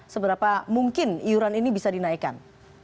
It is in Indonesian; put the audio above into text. seberapa mungkin iuran ini bisa dinaikkan